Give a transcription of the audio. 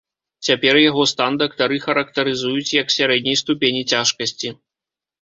Цяпер яго стан дактары характарызуюць як сярэдняй ступені цяжкасці.